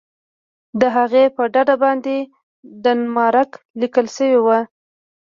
د هغې په ډډه باندې ډنمارک لیکل شوي وو.